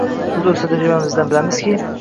biz o‘z tajribamizdan bilamizki